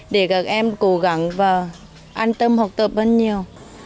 để các em cố gắng và an tâm học tập hơn nhiều